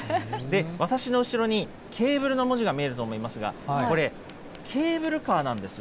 私の後ろにケーブルの文字が見えると思いますが、これ、ケーブルカーなんです。